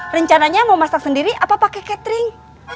rencananya mau masak sendiri apa pakai catering